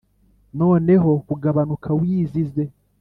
noneho kugabanuka, wizize.